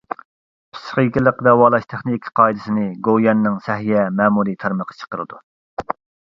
پىسخىكىلىق داۋالاش تېخنىكا قائىدىسىنى گوۋۇيۈەننىڭ سەھىيە مەمۇرىي تارمىقى چىقىرىدۇ.